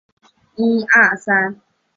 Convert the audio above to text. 就想说提升速度